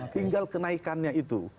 tinggal kenaikannya itu